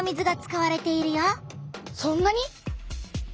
そんなに？